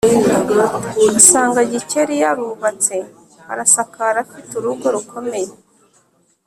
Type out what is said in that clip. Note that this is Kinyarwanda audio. asanga gikeli yarubatse, arasakara, afite urugo rukomeye..